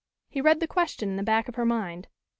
He read the question in the back of her mind.